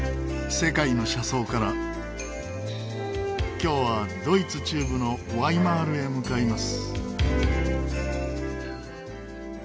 今日はドイツ中部のワイマールへ向かいます。